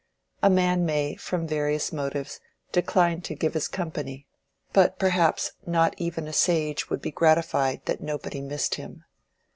A man may, from various motives, decline to give his company, but perhaps not even a sage would be gratified that nobody missed him.